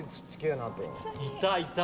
いたいた。